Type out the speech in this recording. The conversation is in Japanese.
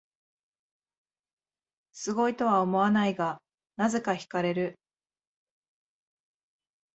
すごいとは思わないが、なぜか惹かれる